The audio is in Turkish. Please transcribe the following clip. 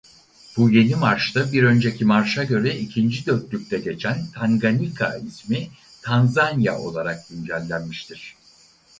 Bu yeni marşta bir önceki marşa göre ikinci dörtlükte geçen "Tanganika" ismi "Tanzanya" olarak güncellenmiştir.